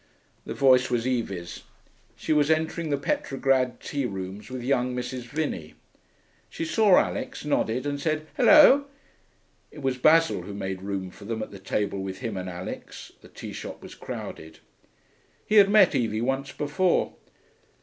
The voice was Evie's; she was entering the Petrograd Tea Rooms with young Mrs. Vinney. She saw Alix, nodded, and said 'Hullo.' It was Basil who made room for them at the table with him and Alix (the tea shop was crowded). He had met Evie once before.